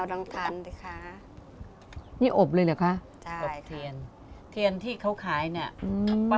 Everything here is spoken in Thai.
อันนี้ค่ะนี่อบเลยเหรอคะใช่ค่ะอบเทียนเทียนที่เขาขายเนี่ยอืม